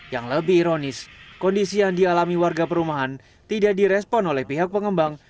yang lebih ironis kondisi yang dialami warga perumahan tidak direspon oleh pihak pengembang